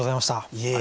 いえ。